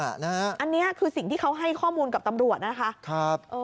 อันนี้คือสิ่งที่เขาให้ข้อมูลกับตำรวจนะคะ